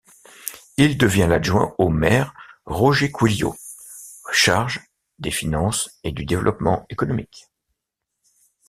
Il devient l'adjoint au maire Roger Quilliot, charge des finances et du développement économique.